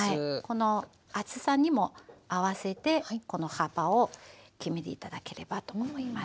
この厚さにも合わせてこの幅を決めて頂ければと思います。